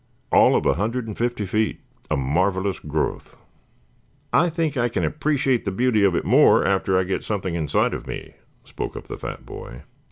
"All of a hundred and fifty feet. A marvelous growth." "I think I can appreciate the beauty of it more after I get something inside of me," spoke up the fat boy.